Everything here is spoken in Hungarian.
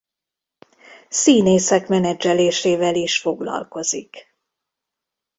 Színészek menedzselésével is foglalkozik.